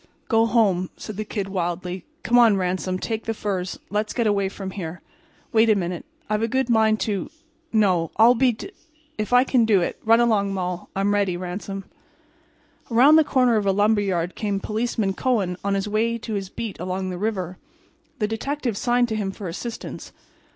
"Go home," said the Kid, wildly. "Come on, Ransom—take the furs. Let's get away from here. Wait a minute—I've a good mind to—no, I'll be d–––– if I can do it—run along, Moll—I'm ready, Ransom." Around the corner of a lumber yard came Policeman Kohen on his way to his beat along the river. The detective signed to him for assistance.